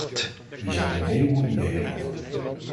Hier zijn een heleboel ideeën over.